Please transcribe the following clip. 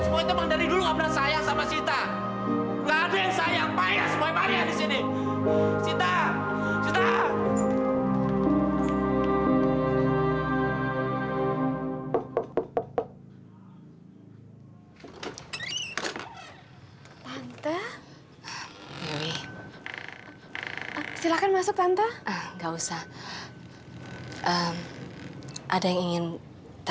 sita lihat semua itu emang dari dulu gak pernah sayang sama sita